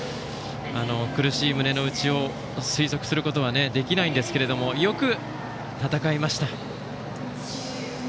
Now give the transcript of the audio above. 苦しい胸の内を推測することはできないんですけどもよく戦いました。